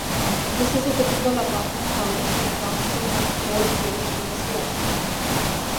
This is a typical apartment house, with ground floor and four floors plus loft.